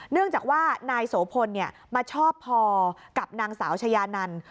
เนื่องจากว่านายโสพลมาชอบพอกับนางสาวชายานัน